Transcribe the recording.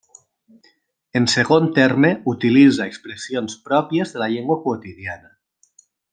En segon terme utilitza expressions pròpies de la llengua quotidiana.